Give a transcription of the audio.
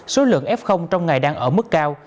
số lượng f trong ngày đang ở mức cao